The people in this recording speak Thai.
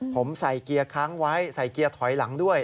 ผมใส่เกียร์ค้างไว้ใส่เกียร์ถอยหลังด้วย